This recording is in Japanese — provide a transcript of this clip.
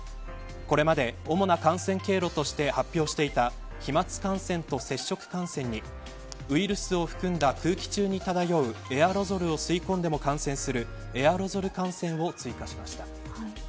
これまで主な感染経路として発表していた飛まつ感染と接触感染にウイルスを含んだ空気中に漂うエアロゾルを吸い込んでも感染するエアロゾル感染を追加しました。